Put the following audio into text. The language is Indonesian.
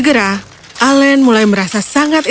kemana pun alen pergi orang akan memandangnya dengan kaget